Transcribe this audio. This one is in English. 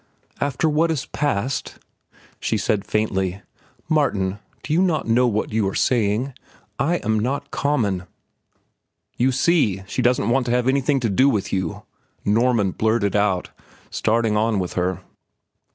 "After what has passed?" she said faintly. "Martin, you do not know what you are saying. I am not common." "You see, she doesn't want to have anything to do with you," Norman blurted out, starting on with her.